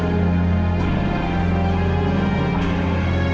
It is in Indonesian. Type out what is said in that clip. apa berarti jatuh katanya